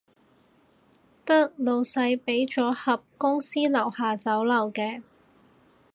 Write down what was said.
得老細畀咗盒公司樓下酒樓嘅